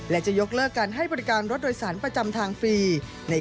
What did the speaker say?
และจะยกเลิกการให้บริการรถโดยสารประจำทางฟรี